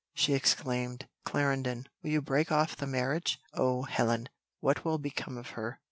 She exclaimed, "Clarendon, will you break off the marriage? Oh! Helen, what will become of her!